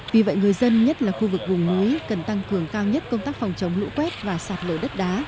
vì vậy người dân nhất là khu vực vùng núi cần tăng cường cao nhất công tác phòng chống lũ quét và sạt lở đất đá